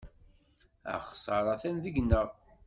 Axeṣṣar atan deg-neɣ.